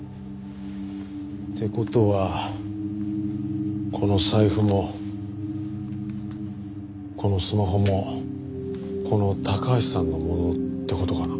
って事はこの財布もこのスマホもこの高橋さんのものって事かな？